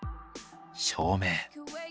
照明。